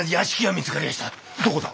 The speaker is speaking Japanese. どこだ？